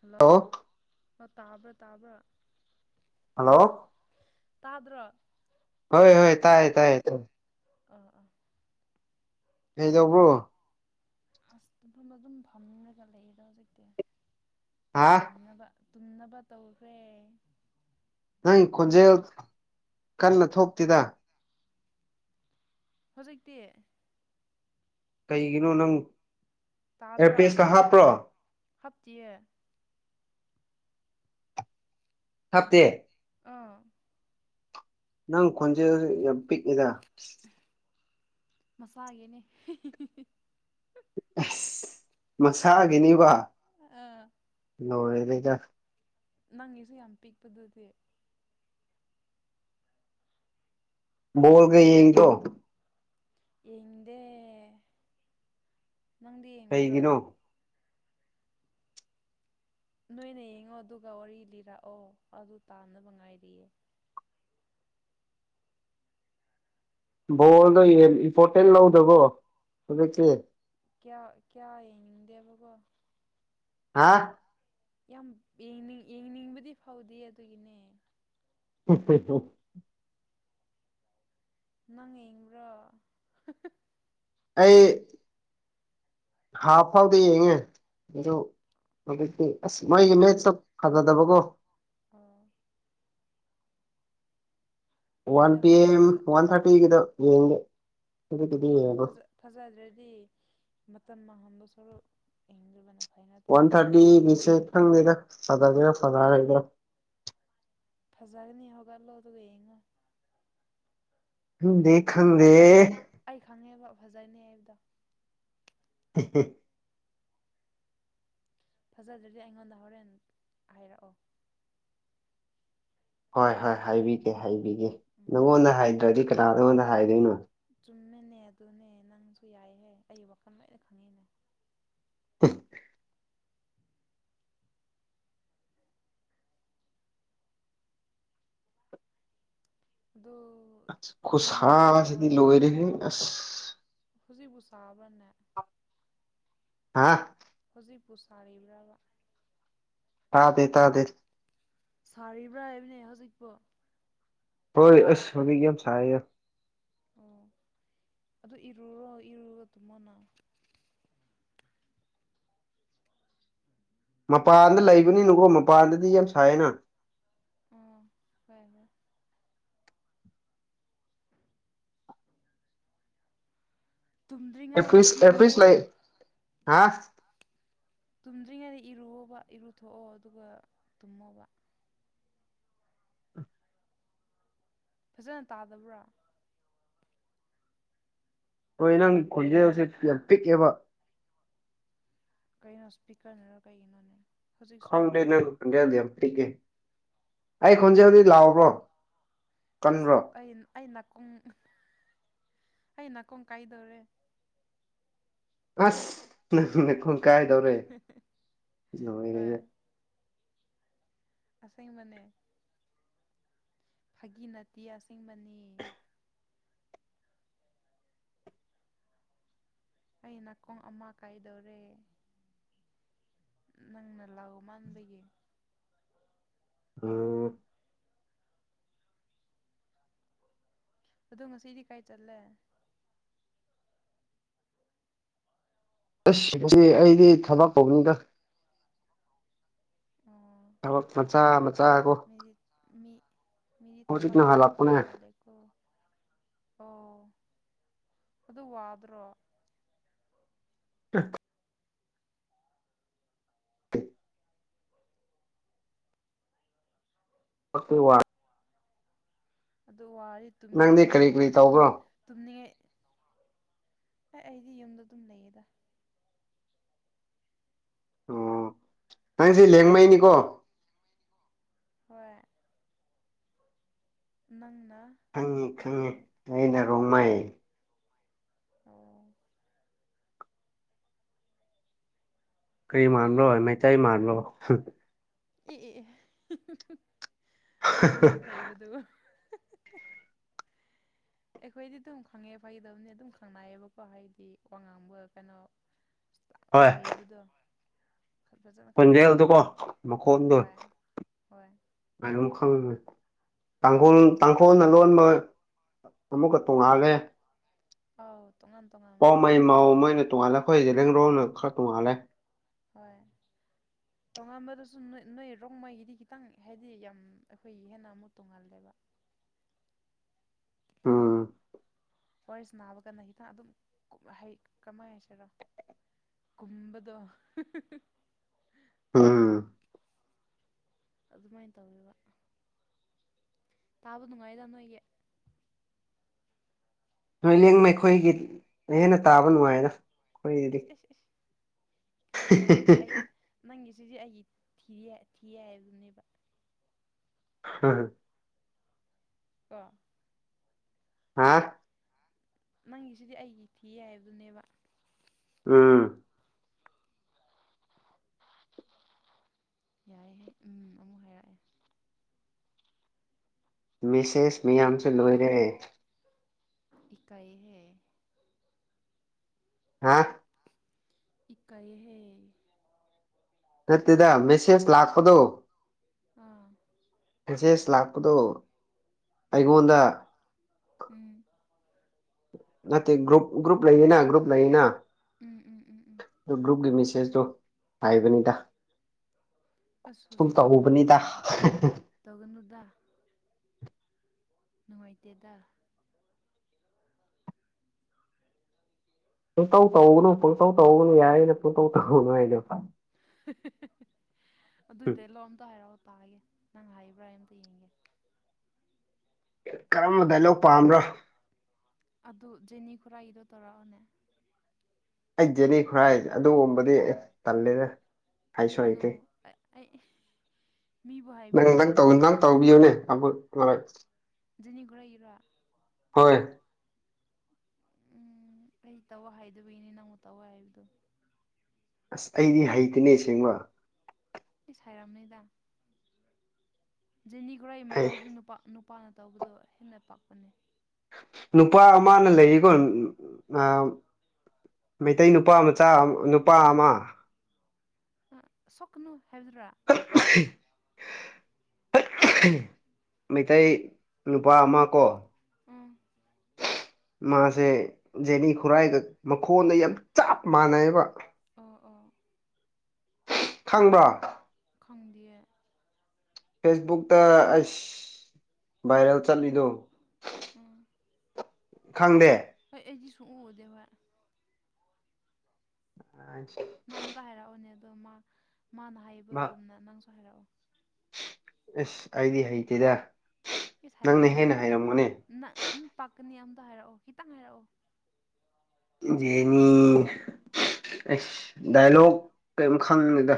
hello ꯑꯣ ꯇꯥꯕ꯭ꯔꯥ ꯇꯥꯕ꯭ꯔꯥ ꯍꯜꯂꯣ ꯇꯥꯗ꯭ꯔꯣ ꯍꯣꯏ ꯍꯣꯏ ꯇꯥꯏꯌꯦ ꯇꯥꯏꯌꯦ ꯑꯥ ꯑꯥ ꯀꯩꯗꯧꯕ꯭ꯔꯣ ꯑꯩꯗꯩ ꯑꯁ ꯇꯨꯐꯝ ꯑꯗꯨꯝ ꯐꯝꯂꯒ ꯂꯩꯌꯦꯗ ꯍꯧꯖꯤꯛꯇꯤ ꯍꯥ ꯇꯨꯝꯅꯕ ꯇꯨꯝꯅꯕ ꯇꯧꯈ꯭ꯔꯦ ꯅꯪ ꯈꯣꯟꯖꯦꯜ ꯀꯟꯅ ꯊꯣꯛꯇꯦꯗ ꯍꯧꯖꯤꯛꯇꯤ ꯀꯩꯒꯤꯅꯣ ꯅꯪ ꯇꯥꯗ꯭ꯔꯣ ꯑꯦꯌꯥꯔꯄꯤꯁꯀ ꯍꯥꯞꯄ꯭ꯔꯣ ꯍꯥꯞꯇꯤꯌꯦ ꯍꯥꯞꯇꯦ ꯑꯥ ꯅꯪ ꯈꯣꯟꯖꯦꯜꯁꯦ ꯌꯥꯝ ꯄꯤꯛꯏꯗ ꯃꯁꯥꯒꯤꯅꯦ ꯑꯁ ꯃꯁꯥꯒꯤꯅꯤꯕ ꯑꯥ ꯂꯣꯏꯔꯦꯗ ꯅꯪꯒꯤꯁꯨ ꯌꯥꯝ ꯄꯤꯛꯄꯗꯨꯗꯤ ꯕꯣꯜꯒ ꯌꯦꯡꯗ꯭ꯔꯣ ꯌꯦꯡꯗꯦ ꯅꯪꯗꯤ ꯌꯦꯡꯕ꯭ꯔꯣ ꯀꯩꯒꯤꯅꯣ ꯅꯣꯏꯅ ꯌꯦꯡꯉꯣ ꯑꯗꯨꯒ ꯋꯥꯔꯤ ꯂꯤꯔꯛꯑꯣ ꯑꯗꯨ ꯇꯥꯅꯕ ꯉꯥꯏꯔꯤꯌꯦ ꯕꯣꯜꯗꯣ ꯌꯦꯡ ꯏꯝꯄꯣꯔꯇꯦꯟ ꯂꯧꯗ꯭ꯔꯕꯣ ꯍꯧꯖꯤꯛꯇꯤ ꯀꯌꯥ ꯀꯌꯥ ꯌꯦꯡꯅꯤꯡꯗꯦꯕ ꯀꯣ ꯍꯥ ꯌꯥꯝ ꯌꯦꯡꯅꯤꯡ ꯌꯦꯡꯅꯤꯡꯕꯗꯤ ꯐꯥꯎꯗꯤꯌꯦ ꯑꯗꯨꯒꯤꯅꯦ [unintelligible] ꯗꯣꯛ ꯅꯪ ꯌꯦꯡꯕ꯭ꯔꯣ ꯑꯩ ꯍꯥꯞ ꯐꯥꯎꯗꯤ ꯌꯦꯡꯉꯦ ꯑꯗꯨ ꯑꯗꯨꯛꯇꯤ ꯑꯁ ꯃꯣꯏꯒꯤ ꯃꯦꯁꯇꯣ ꯐꯖꯗꯕꯀꯣ ꯑꯥ ꯋꯥꯟ ꯍꯣꯏꯗ ꯄꯤ ꯑꯦꯝ ꯐꯖ ꯋꯥꯟ ꯊꯥꯔꯇꯤꯒꯤꯗ ꯌꯦꯡꯒꯦ ꯍꯧꯖꯤꯛꯀꯤꯗꯤ ꯑꯣ ꯐꯖ ꯌꯦꯡꯉꯔꯣꯏ ꯐꯖꯗ꯭ꯔꯗꯤ ꯃꯇꯝ ꯃꯥꯡꯍꯟꯕꯁꯣꯔꯨ ꯌꯦꯡꯅꯤꯡꯗꯕ ꯅꯠ ꯋꯥꯟ ꯊꯥꯔꯇꯤꯒꯤꯁꯨ ꯈꯪꯗꯦꯗ ꯐꯖꯗꯣꯏꯔ ꯐꯖꯔꯣꯏꯗꯔꯥ ꯐꯖꯒꯅꯤ ꯍꯧꯒꯠꯂꯣ ꯑꯗꯨꯒ ꯌꯦꯡꯉꯣ ꯑꯗꯨꯝꯗꯤ ꯑꯩ ꯈꯪꯗꯦꯍꯦ ꯑꯩ ꯈꯪꯉꯦꯕ ꯐꯖꯅꯤ ꯍꯥꯏꯕꯗꯣ [unintelligible] ꯐꯖꯗ꯭ꯔꯗꯤ ꯑꯩꯉꯣꯟꯗ ꯍꯣꯔꯦꯟ ꯍꯥꯏꯔꯛꯑꯣ ꯍꯣꯏ ꯍꯣꯏ ꯍꯥꯏꯕꯤꯒꯦ ꯍꯥꯏꯕꯤꯒꯦ ꯎꯝ ꯅꯪꯉꯣꯟꯗ ꯍꯥꯏꯗ꯭ꯔꯗꯤ ꯀꯅꯥ ꯅꯪꯉꯣꯟꯗ ꯍꯥꯏꯗꯣꯏꯅꯣ ꯆꯨꯝꯃꯦꯅꯦ ꯑꯗꯨꯅꯦ ꯅꯪꯁꯨ ꯌꯥꯏꯍꯦ ꯑꯩ ꯋꯥꯈꯜ ꯂꯣꯏꯅ ꯈꯪꯉꯦꯅꯦ [unintelligible] ꯑꯗꯣ ꯈꯨꯠꯁꯥꯁꯤꯗꯤ ꯂꯣꯏꯔꯦ ꯑꯁ ꯍꯧꯖꯤꯛꯕꯨ ꯁꯥꯕ꯭ꯔꯅꯦ ꯍꯥ ꯍꯧꯖꯤꯛꯄꯨ ꯁꯥꯔꯤꯕ꯭ꯔꯕ ꯇꯥꯗꯦ ꯇꯥꯗꯦ ꯁꯥꯔꯤꯕ꯭ꯔꯥ ꯍꯥꯏꯕꯅꯦ ꯍꯧꯖꯤꯛꯄꯣ ꯍꯣꯏ ꯑꯁ ꯍꯧꯖꯤꯛ ꯌꯥꯝ ꯁꯥꯥꯔꯤꯌꯦ ꯑꯣ ꯑꯗꯨ ꯏꯔꯨꯔꯣ ꯏꯔꯨꯔꯣꯒ ꯇꯨꯝꯃꯣꯅ ꯃꯄꯥꯟꯗ ꯂꯩꯕꯅꯤꯅꯀꯣ ꯃꯄꯥꯟꯗꯗꯤ ꯌꯥꯝ ꯁꯥꯏꯌꯦꯅ ꯑꯣ ꯍꯣꯏ ꯍꯣꯏ ꯇꯨꯝꯗ꯭ꯔꯤꯉꯩꯗ ꯑꯦꯐ꯭ꯔꯤꯁ ꯑꯦꯐ꯭ꯔꯤꯁ ꯏꯔꯨꯑꯣ ꯂꯩ ꯍꯥ ꯇꯨꯝꯗ꯭ꯔꯤꯉꯩꯗ ꯏꯔꯨꯑꯣꯕ ꯏꯔꯨꯊꯣꯛꯑꯣ ꯑꯗꯨꯒ ꯇꯨꯝꯃꯣꯕ ꯐꯖꯅ ꯇꯥꯗꯕ꯭ꯔꯥ ꯍꯣꯏ ꯅꯪ ꯈꯣꯟꯖꯦꯜꯁꯦ ꯌꯥꯝ ꯄꯤꯛꯑꯦꯕ ꯀꯩꯅꯣ ꯁ꯭ꯄꯤꯀꯔꯅꯔ ꯀꯩꯒꯤꯅꯣꯅꯦ ꯍꯧꯖꯤꯛꯁꯨ ꯈꯪꯗꯦ ꯅꯪ ꯈꯣꯟꯖꯦꯜꯗꯤ ꯌꯥꯝ ꯄꯤꯛꯑꯦ ꯑꯩ ꯈꯣꯟꯖꯦꯜꯗꯤ ꯂꯥꯎꯕ꯭ꯔꯣ ꯀꯟꯕ꯭ꯔꯣ ꯁ꯭ꯄꯦꯟ ꯑꯩ ꯅꯥꯀꯣꯡ ꯑꯩ ꯅꯥꯀꯣꯡ ꯀꯥꯏꯗꯧꯔꯦ ꯑꯁ ꯅꯪ ꯅꯥꯀꯣꯡ ꯀꯥꯏꯗꯧꯔꯦ ꯍꯣꯏ ꯅꯣꯏꯔꯦꯍꯦ ꯑꯁꯦꯡꯕꯅꯦ ꯐꯥꯒꯤ ꯅꯠꯇꯦ ꯑꯁꯦꯡꯕꯅꯦ ꯑꯩ ꯅꯥꯀꯣꯡ ꯑꯃ ꯀꯥꯏꯗꯧꯔꯦ ꯅꯪꯅ ꯂꯥꯎꯃꯟꯕꯒꯤ ꯑꯣ ꯑꯗꯨ ꯉꯁꯤꯗꯤ ꯀꯥꯏ ꯆꯠꯂꯦ ꯑꯁ ꯉꯁꯤ ꯑꯩꯗꯤ ꯊꯕꯛ ꯀꯧꯅꯤꯡꯗꯦ ꯑꯣꯥ ꯊꯕꯛ ꯃꯆꯥ ꯃꯆꯥ ꯀꯣ ꯃꯤꯗꯤꯠ ꯃꯤ ꯃꯤꯗꯤ ꯊꯕꯛ ꯍꯧꯖꯤꯛꯅ ꯌꯥꯝ ꯍꯜꯂꯛꯄꯅꯦ ꯇꯧꯕ ꯃꯥꯜꯂꯦ ꯀꯣ ꯑꯣ ꯑꯗꯨ ꯋꯥꯗ꯭ꯔꯣ [unintelligible] [unintelligible] ꯑꯗꯣ ꯋꯥꯔꯦ ꯇꯨꯝꯒ‌ꯦ ꯅꯪꯗꯤ ꯀꯔꯤ ꯍꯩꯔ ꯀꯔꯤ ꯍꯥꯏ ꯇꯨꯝ ꯇꯧꯕ꯭ꯔꯣ ꯇꯨꯝꯅꯤꯉꯦ ꯑꯦ ꯑꯩꯗꯤ ꯌꯨꯝꯗ ꯗꯨꯝ ꯂꯩꯌꯦꯗ ꯑꯣ ꯅꯪꯖꯦ ꯂꯦꯡꯃꯩꯅꯤꯀꯣ ꯍꯣꯏ ꯅꯪꯅꯥ ꯈꯪꯉꯤ ꯈꯪꯉꯦ ꯑꯩꯅ ꯔꯣꯡꯃꯩ ꯑꯣ ꯀ꯭ꯔꯤ ꯃꯥꯟꯕ꯭ꯔꯣ ꯃꯩꯇꯩ ꯃꯥꯟꯕ꯭ꯔꯣ ꯏ ꯑꯦ ꯑꯦ ꯑꯗꯨꯃꯨꯛ ꯈꯣꯏꯕꯗꯨ ꯑꯩꯈꯣꯏꯗꯤ ꯗꯨꯝ ꯈꯪꯉꯦ ꯐꯥꯒꯤ ꯇꯧꯕꯅꯦ ꯑꯗꯨꯝ ꯈꯪꯅꯥꯌꯦꯕꯀꯣ ꯍꯥꯏꯗꯤ ꯋꯥ ꯉꯥꯡꯕ ꯀꯩꯅꯣ [unintelligible] ꯍꯣꯏ ꯈꯣꯏꯕꯗ‌ꯣ ꯈꯣꯟꯖꯦꯜꯗꯣꯀꯣ ꯃꯈꯣꯟꯗꯣ ꯍꯣꯏ ꯍꯣꯏ [unintelligible] ꯎꯝ ꯇꯥꯡꯒꯨꯜ ꯇꯥꯡꯈꯣꯜꯅ ꯂꯣꯟꯕ ꯑꯃꯨꯛꯀ ꯇꯣꯉꯥꯜꯂꯦ ꯑꯧ ꯇꯨꯉꯟ ꯄꯥꯎꯃꯩ ꯃꯥꯥꯎ ꯃꯣꯏꯅ ꯇꯣꯉꯥꯜꯂꯦ ꯈꯣꯏ ꯖꯦꯂꯦꯡꯔꯣꯡꯅ ꯈꯔ ꯇꯣꯉꯥꯜꯂꯦ ꯍꯣꯏ ꯇꯣꯉꯥꯝꯕꯗꯁꯨ ꯅꯣꯏ ꯅꯣꯏ ꯔꯣꯡꯃꯩꯒꯤꯗꯤ ꯈꯤꯇꯪ ꯍꯥꯏꯗꯤ ꯌꯥꯝ ꯑꯩꯈꯣꯏꯒꯤ ꯍꯦꯟꯅ ꯑꯃꯨꯛ ꯇꯣꯉꯥꯜꯂꯦꯕ ꯎꯝ ꯋꯥꯔꯤ ꯁꯅꯥꯕꯀꯥꯟꯗ ꯍꯤꯇꯥ ꯑꯗꯨꯝ ꯀꯨ ꯍꯩ ꯀꯃꯥꯏ ꯍꯥꯏꯁꯤꯔ ꯀꯨꯝꯕꯗꯣ ꯎꯝ ꯑꯗꯨꯃꯥꯏꯟ ꯇꯧꯋꯦꯕ ꯇꯥꯕ ꯅꯨꯉꯥꯏꯌ‌ꯦꯗ ꯅ‌ꯣꯏꯒꯤ ꯂꯣꯏꯂꯦꯡꯅꯦ ꯑꯩꯈꯣꯏꯒꯤꯠ ꯅ‍ꯣꯏ ꯍꯦꯟꯅ ꯇꯥꯕ ꯅꯨꯉꯥꯏꯌꯦꯗ ꯈꯣꯏꯒꯤꯗꯤ ꯑꯦꯁ ꯑꯦꯁ ꯑꯦꯁ ꯀꯥꯏꯍꯦ ꯑꯗꯨꯗꯤ ꯑꯩ ꯅꯪꯒꯤꯁꯤꯗꯤ ꯑꯩꯒꯤꯠ ꯊꯤꯌ‌ꯦ ꯊꯤꯌꯦ ꯍꯥꯏꯕꯅꯦꯕ [unintelligible] ꯀ‌ꯣ ꯍꯥ ꯅꯪꯒꯤꯁꯤꯗꯤ ꯑꯩꯒꯤ ꯊꯤꯌ‌ꯦ ꯍꯥꯏꯕꯅꯦꯕ ꯎꯝ [unintelligible] ꯌꯥꯏꯌꯦꯍꯦ ꯎꯝ ꯑꯃꯨꯛ ꯍꯥꯏꯔꯛꯑꯦ ꯃꯦꯁꯦꯁ ꯏꯛ ꯃꯌꯥꯝꯁꯨ ꯏꯀꯥꯏ ꯂꯣꯏꯔꯦ ꯏꯀꯥꯏꯌ‌ꯦꯍ‌ꯦ ꯍꯥ ꯏꯀꯥꯏꯌ‌ꯦꯍ‌ꯦ ꯅꯠꯇ‌ꯦꯗ ꯃꯦꯁꯦꯁ ꯂꯥꯛ ꯑꯥ ꯐꯦꯁꯦꯁ ꯂꯥꯛꯄꯗꯣ ꯑꯩꯉꯣꯟꯗ ꯎꯝ ꯅꯠꯇ‌ꯦ ꯒ꯭ꯔꯨꯞ ꯒ꯭ꯔꯨꯞ ꯂꯩꯌꯦꯅꯥ ꯒ꯭ꯔꯨꯞ ꯂꯩꯌꯦꯅꯥ ꯎꯝ ꯎꯝ ꯎꯝ ꯎꯝ ꯑꯗꯨ ꯒ꯭ꯔꯨꯞꯒꯤ ꯃꯦꯁꯦꯁꯗꯣ ꯍꯥꯏꯕꯅꯤꯗꯥ ꯑꯁ ꯁꯨꯝ ꯇꯧꯕꯅꯤꯗꯥ [unintelligible] ꯇꯧꯒꯅꯨꯗꯥ ꯅꯨꯡꯉꯥꯏꯇꯦꯗꯥ ꯄꯨꯡꯇꯧ ꯇꯧꯒꯅꯨ ꯄꯨꯡꯇꯧ ꯇꯧꯒꯅꯨ ꯌꯥꯏꯌꯦꯅ ꯄꯨꯡꯇꯧ ꯇꯧ [unintelligible] [unintelligible] ꯑꯗꯨꯗꯩ ꯂꯣꯝꯗꯣ ꯍꯥꯏꯔꯛꯑꯣ ꯇꯥꯒꯦ ꯅꯪ ꯍꯥꯏꯕ꯭ꯔꯥ ꯑꯩ ꯑꯝꯇ ꯌꯦꯡꯒꯦ ꯀꯔꯝꯕ ꯗꯥꯏꯂꯣꯛ ꯄꯥꯝꯕ꯭ꯔꯥ ꯑꯗꯨ ꯖꯦꯅꯤ ꯈꯨꯔꯥꯏꯒꯤꯗꯣ ꯇꯧꯔꯛꯑꯣꯅꯦ ꯑꯩ ꯖꯦꯅꯤ ꯈꯨꯔꯥꯏ ꯑꯗꯨꯒꯨꯝꯕꯗꯤ ꯇꯜꯂꯦꯗ ꯍꯩꯁꯨ ꯀꯩꯒꯤꯅꯣ ꯍꯩꯇꯦ ꯑ ꯑꯩ ꯃꯤꯕꯨ ꯅꯪ ꯅꯪ ꯍꯥꯏꯕꯤꯔꯣꯏ ꯇꯧ ꯅꯪ ꯇꯧꯕꯤꯌꯨꯅꯦ [unintelligible] ꯖꯦꯅꯤ ꯈꯨꯔꯥꯏꯒꯤꯔꯣ ꯍꯣꯏ ꯎꯝ ꯑꯩ ꯇꯧꯋꯣ ꯍꯥꯏꯗꯕꯩꯅꯦ ꯅꯪꯕꯨ ꯇꯧꯋꯣ ꯍꯥꯏꯕꯗꯨ ꯑꯁ ꯑꯩꯗꯤ ꯍꯩꯇꯦꯅꯦ ꯁꯦꯡꯕ ꯢꯁ ꯍꯥꯢꯔꯝꯅꯤꯗ ꯖꯦꯅꯤ ꯈꯨꯔꯥꯢꯒꯤ ꯍꯩ ꯃꯇꯧꯗꯤ ꯅꯨꯄꯥ ꯅꯨ ꯄꯥꯅ ꯇꯧꯕꯗꯣ ꯍꯦꯟꯅ ꯄꯥꯛꯄꯅꯦ ꯅꯨꯄꯥ ꯑꯃꯥꯅ ꯂꯩꯌꯦꯀꯣ ꯑ ꯃꯤꯇꯩ ꯅꯨꯄꯥ ꯃꯆꯥ ꯅꯨꯞ [unintelligible] ꯑ ꯁꯣꯛꯀꯅꯨ ꯍꯥꯏꯕꯗꯨꯔꯥ [unintelligible] ꯃꯩꯇꯩ ꯅꯨꯄꯥ ꯑꯃ ꯀꯣ ꯎꯝ ꯃꯥꯁꯦ ꯖꯦꯅꯤ ꯈꯨꯔꯥꯏꯒ ꯃꯈꯣꯟꯗ ꯌꯥꯝ ꯆꯞ ꯃꯥꯟꯅꯩꯌꯦꯕ ꯑꯥ ꯑꯥ ꯈꯪꯕ꯭ꯔꯥ ꯈꯪꯗꯤꯌꯦ ꯐꯦꯁꯕꯨꯛꯇ ꯑꯩꯁ ꯚꯥꯏꯔꯦꯜ ꯆꯠꯂꯤꯗꯣ ꯎꯝ ꯈꯪꯗꯦ ꯍꯣꯏ ꯑꯩꯗꯤ ꯁꯨꯡꯎ ꯎꯗꯦꯕ [unintelligible] ꯅꯪ ꯑꯝꯇ ꯍꯥꯏꯔꯛꯑꯣꯅꯦ ꯑꯗꯣ ꯃꯥ ꯃꯥꯅ ꯍꯥꯏꯕꯒꯨꯝꯅ ꯅꯪꯁꯨ ꯍꯥꯏꯔꯛꯑꯣ ꯏꯁ ꯑꯩꯗꯤ ꯍꯩꯇꯦꯗ ꯢꯁ ꯅꯪꯅ ꯍꯥꯏꯔꯝꯅꯤ ꯍꯦꯟꯅ ꯍꯩꯔꯝꯒꯅꯤ ꯅꯥ ꯎꯟ ꯄꯥꯛꯀꯅꯤ ꯑꯝꯇ ꯍꯥꯏꯔꯛꯑꯣ ꯈꯤꯇꯪ ꯍꯥꯏꯔꯛꯑꯣ ꯖꯦꯅꯤ ꯑꯩꯁ ꯗꯥꯏꯂꯣꯛ ꯀ꯭ꯌꯝ ꯈꯪꯉꯦꯗ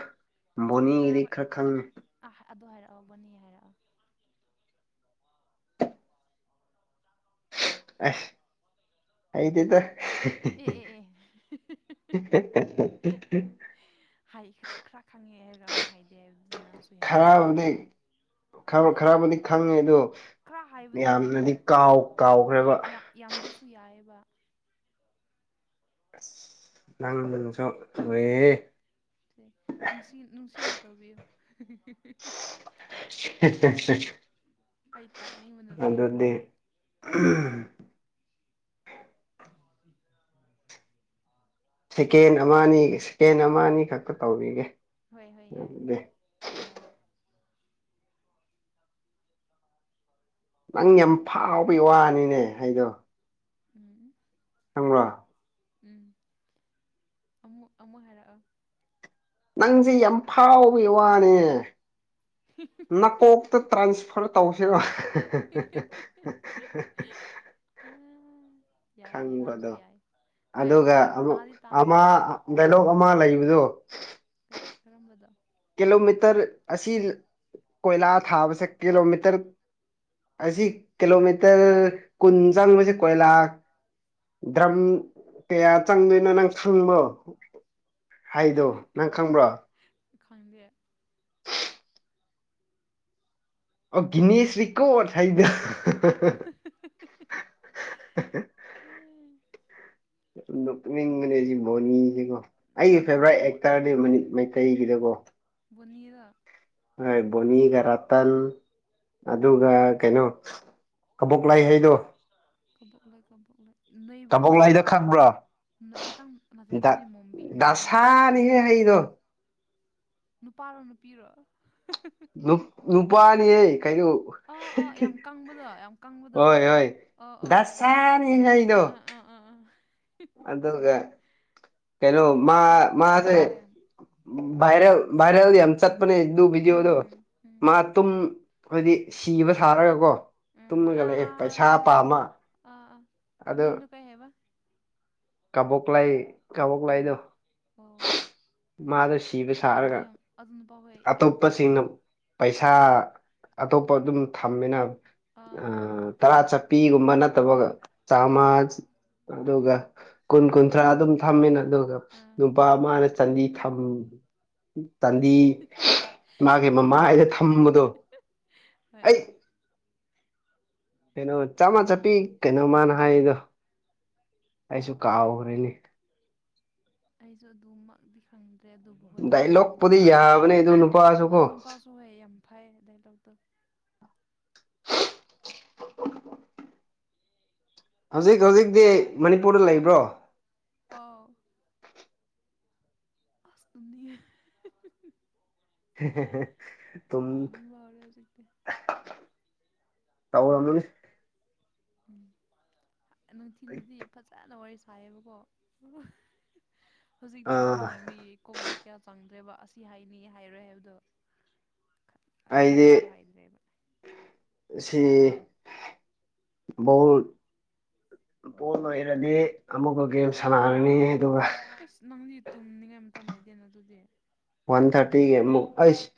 ꯕꯣꯅꯤꯒꯤꯗꯤ ꯈꯔ ꯈꯪꯉꯦ ꯑꯍꯥ ꯑꯗꯨ ꯍꯥꯏꯔꯛꯑꯣ ꯕꯣꯅꯤꯒꯤ ꯍꯥꯏꯔꯛꯑꯣ ꯑꯁ ꯍꯩꯇꯦꯗ ꯑꯦ ꯑꯦ ꯑꯦ [unintelligible] ꯍꯥꯏ ꯈꯇ ꯈꯔ ꯈꯪꯉꯦ ꯍꯥꯏꯔꯒ ꯑꯃꯨꯛ ꯍꯥꯏꯗꯦ ꯍꯥꯏꯕꯗꯨꯗꯤ ꯅꯪꯁꯨ ꯍꯦꯟꯃꯟꯗ꯭ꯔꯣ ꯈꯔꯕꯨꯗꯤ ꯈꯔ ꯈꯔꯕꯨꯗꯤ ꯈꯪꯉꯦ ꯑꯗꯨ ꯈꯔ ꯍꯥꯏꯕꯗꯣ ꯍꯥꯏꯔꯛ ꯌꯥꯝꯅꯗꯤ ꯀꯥꯎ ꯍꯣꯏ ꯀꯥꯎꯈ꯭ꯔꯦꯕ ꯌꯥꯝ ꯌꯥꯝꯗ꯭ꯔꯁꯨ ꯌꯥꯏꯑꯕ [unintelligible] ꯅꯨꯡꯁꯤ ꯅꯨꯡꯁꯤꯅ ꯇꯧꯕꯤꯌꯨ ꯍꯦ ꯍꯦ ꯍꯦ ꯑꯩ ꯇꯅꯤꯡ ꯑꯗꯨꯗꯤ [unintelligible] ꯁꯦꯀꯦꯟ ꯑꯃ ꯑꯅꯤ ꯁꯦꯀꯦꯟ ꯑꯃ ꯑꯅꯤ ꯈꯛꯇ ꯇꯧꯕꯤꯒꯦ ꯍꯣꯏ ꯍꯣꯏ ꯌꯥꯏ ꯑꯗꯨꯗꯤ ꯌꯥꯏ ꯅꯪ ꯌꯥꯝ ꯐꯥꯎꯕꯒꯤ ꯋꯥꯅꯤꯅꯦ ꯍꯥꯏꯗꯣ ꯎꯝ ꯈꯪꯕꯔꯣ ꯎꯝ ꯑꯃꯨꯛ ꯑꯃꯨꯛ ꯍꯥꯏꯔꯛꯑꯣ ꯅꯪꯖꯦ ꯌꯥꯝ ꯐꯥꯎꯕꯩ ꯋꯥꯅꯦ ꯎꯝ ꯎꯝ ꯅꯀꯣꯛꯇ ꯇ꯭ꯔꯥꯟꯁꯐꯔ ꯇꯧꯁꯤꯔꯣ [unintelligible] ꯌꯥꯏ ꯅꯪꯁꯨ ꯈꯪꯕꯗꯣ ꯌꯥꯏ ꯍꯣꯏ ꯑꯗꯨꯒ ꯑꯃꯨꯛ ꯇꯥꯗꯤ ꯑꯃ ꯇꯥꯈ꯭ꯔꯦ ꯗꯥꯏꯂꯣꯛ ꯑꯃ ꯂꯩꯕꯗꯣ ꯀꯔꯤ ꯀꯔꯝꯕꯗ ꯀꯤꯂꯣꯃꯤꯇꯔ ꯑꯁꯤ ꯀꯣꯏꯂꯥ ꯊꯥꯕꯁꯦ ꯀꯤꯂꯣꯃꯤꯇꯔ ꯑꯁꯤ ꯀꯤꯂꯣꯃꯤꯇꯔ ꯀꯨꯟ ꯆꯪꯕꯁꯦ ꯀꯣꯏꯂꯥ ꯗ꯭ꯔꯝ ꯀꯌꯥ ꯆꯪꯗꯣꯏꯅꯣ ꯅꯪ ꯈꯪꯕꯔꯣ ꯍꯥꯏꯗꯣ ꯅꯪ ꯈꯪꯕ꯭ꯔꯣ ꯈꯪꯗꯦ ꯑꯣ ꯒꯤꯅꯤꯏ ꯔꯤꯀꯣꯠ ꯍꯥꯏꯗꯣ [unintelligible] ꯅꯣꯛꯅꯤꯡꯕꯅꯦ ꯁꯤ ꯕꯣꯅꯤꯁꯤꯀꯣ ꯑꯩꯒꯤ ꯅꯪ ꯐꯦꯚꯣꯔꯥꯏꯠ ꯑꯦꯛꯇꯔ ꯃꯅꯤ ꯃꯩꯇꯩꯒꯤꯗꯀꯣ ꯕꯣꯅꯤ ꯔꯥ ꯍꯣꯏ ꯕꯣꯅꯤꯒ ꯔꯇꯟ ꯑꯗꯨꯒ ꯀꯩꯅꯣ ꯀꯕꯣꯛ ꯂꯥꯏ ꯍꯩꯗꯣ ꯀꯕꯣꯛꯂꯩ ꯀꯕꯣꯛꯂꯩ ꯅꯩꯕꯗꯨꯔꯣ ꯀꯥꯕꯣꯛꯂꯩ ꯗꯣ ꯈꯪꯕ꯭ꯔꯣ ꯅꯣꯏ ꯈꯤꯇꯪ ꯅꯠꯇꯦ ꯗ ꯑꯗꯨꯗꯤ ꯃꯣꯝꯕꯤ ꯃꯣꯝꯕꯤꯅꯤꯀꯣ ꯗꯁꯥꯅꯤꯍꯦ ꯍꯩꯩꯗꯣ ꯅꯨꯄꯥꯔꯣ ꯅꯨꯄꯤꯔꯣ ꯅꯨ ꯅꯨꯄꯥꯅꯤ ꯍꯦ ꯀꯩꯅꯩꯅꯣ ꯑꯥ ꯑꯥ ꯌꯥꯝ ꯀꯪꯕꯗꯣ ꯌꯥꯝ ꯀꯪꯕꯗꯣ ꯍꯣꯏ ꯍꯣꯏ ꯑꯥ ꯑꯥ ꯗꯁꯥꯅꯤ ꯍꯩꯗꯣ ꯑꯥ ꯑꯥ ꯑꯥ ꯑ ꯑꯗꯨꯒ ꯀꯩꯅꯣ ꯃꯥ ꯍꯣꯏ ꯑꯗꯨ ꯃꯥꯁꯦ ꯅꯨꯄꯥ ꯌꯥꯝ ꯥꯕꯥꯏꯔꯦꯜ ꯕꯥꯏꯔꯦꯜ ꯌꯝ ꯆꯠꯄꯅꯦ ꯑꯗꯨ ꯕꯤꯗꯤꯌꯣꯗꯣ ꯎꯝ ꯎꯝ ꯃꯥ ꯇꯨꯝ ꯍꯥꯏꯗꯤ ꯁꯤꯕ ꯁꯥꯔꯒꯀꯣ ꯎꯝ ꯇꯨꯝꯃꯒ ꯑꯥ ꯂꯩꯑꯦ ꯑꯥ ꯄꯩꯁꯥ ꯄꯥꯝꯃ ꯑꯥ ꯑ ꯑꯗꯨ ꯃꯃꯤꯡꯗꯣ ꯀꯩ ꯍꯥꯏꯕ ꯀꯕꯣꯛꯂꯩ ꯀꯕꯣꯛꯂꯩ ꯑꯣ ꯗꯣ ꯑꯣ ꯃꯥꯗꯣ ꯁꯤꯕ ꯑꯗꯨ ꯁꯥꯔꯒ ꯌꯥꯝ ꯑꯗꯨ ꯅꯨꯄꯥ ꯍꯣꯏ ꯌꯥꯝ ꯑꯇꯣꯞꯄꯁꯤꯡꯅ ꯄꯩꯁꯥ ꯑꯇꯣꯞꯄ ꯑꯗꯨꯝ ꯊꯝꯃꯤꯅ ꯑꯥ ꯇꯔꯥ ꯆꯠꯄꯤꯒꯨꯝꯕ ꯅꯠꯇꯕꯒ ꯆꯥꯃ ꯑꯗꯨꯒ ꯀꯨꯟ ꯍꯣꯏ ꯍꯣꯏ ꯀꯨꯟꯊ꯭ꯔꯥ ꯑꯗꯨꯝ ꯊꯝꯃꯦꯅ ꯑꯗꯨꯒ ꯑꯥ ꯅꯨꯄꯥ ꯑꯃꯅ ꯆꯥꯟꯗꯤ ꯊꯝ ꯇꯥꯟꯗꯤ ꯃꯥꯒꯤ ꯃꯃꯥ ꯍꯥꯏꯗ ꯊꯝꯕꯗꯣ ꯍꯣꯏ ꯑꯩ ꯍꯣꯏ ꯀꯩꯅꯣ ꯆꯞꯃ ꯆꯠꯄꯤ ꯀꯩꯅꯣ ꯃꯥꯅ ꯍꯥꯏꯗꯣ ꯑꯩꯁꯨ ꯀꯥꯎꯈ꯭ꯔꯦꯅꯤ ꯑꯩꯁꯨ ꯑꯗꯨꯃꯗꯤ ꯈꯪꯗ꯭ꯔꯦ ꯑꯗꯨꯝ ꯗꯥꯏꯂꯣꯛꯄꯨꯗꯤ ꯌꯥꯕꯅꯦ ꯑꯗꯨ ꯅꯨꯄꯥꯁꯨ ꯀꯣ ꯁꯣꯏꯑꯦ ꯌꯥꯝ ꯐꯩ ꯗꯥꯏꯂꯣꯛꯇꯣ ꯍꯧꯖꯤꯛ ꯍꯧꯖꯤꯛꯇꯤ ꯃꯅꯤꯄꯨꯔꯗ ꯂꯩꯕ꯭ꯔꯣ ꯑꯥꯎ ꯑꯁ ꯇꯨꯝꯅꯤꯡꯉꯦ ꯍꯦ ꯍꯦ ꯍꯦ ꯇꯨꯝ ꯇꯨꯝꯅꯤꯡꯕ ꯍꯧꯔꯦ ꯍꯧꯖꯤꯛꯇꯤ ꯀꯥꯎꯔꯝꯂꯅꯤ ꯎꯝ ꯅꯨꯡꯊꯤꯜꯗꯗꯤ ꯐꯖꯅ ꯋꯥꯔꯤ ꯁꯥꯏꯌꯦꯕꯀꯣ ꯍꯧꯖꯤꯛꯇꯤ ꯑꯥ ꯇꯨꯝꯅꯤꯡꯕꯒꯤ ꯀꯣꯛꯇ ꯀꯌꯥ ꯆꯪꯗ꯭ꯔꯦꯕ ꯑꯁꯤ ꯍꯥꯏꯅꯤ ꯍꯥꯏꯔꯣꯏ ꯍꯥꯏꯕꯗꯣ ꯈꯟ ꯑꯩꯗꯤ ꯇꯥꯕ ꯍꯥꯏꯗ꯭ꯔꯦꯕ ꯑꯁꯤ ꯕꯣꯜ ꯕꯣꯜ ꯂꯣꯏꯔꯗꯤ ꯑꯃꯨꯛꯀ ꯒꯦꯝ ꯁꯥꯟꯅꯔꯅꯤ ꯑꯗꯨꯒ ꯑꯁ ꯅꯪꯗꯤ ꯇꯨꯝꯅꯤꯡꯉꯥꯏ ꯃꯇꯝ ꯂꯩꯇꯦꯅ ꯑꯗꯨꯗꯤ ꯋꯥꯟ ꯊꯔꯇꯤꯒꯤ ꯑꯃꯨꯛ ꯑꯁ